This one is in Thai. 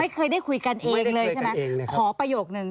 เคยได้คุยกันเองเลยใช่ไหมขอประโยคนึง